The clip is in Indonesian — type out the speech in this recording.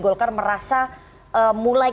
golkar merasa mulai